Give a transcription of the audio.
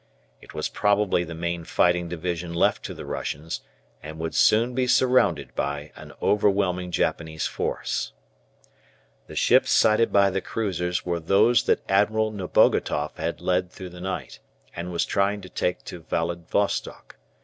It was probably the main fighting division left to the Russians, and would soon be surrounded by an overwhelming Japanese force. The ships sighted by the cruisers were those that Admiral Nebogatoff had led through the night, and was trying to take to Vladivostock.